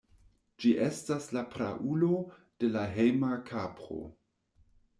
Ĝi estas la praulo de la hejma kapro.